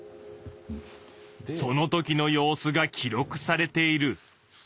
そのときの様子が記録されている。